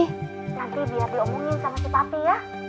nanti biar diomongin sama si papi ya